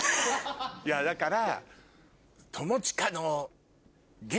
いやだから。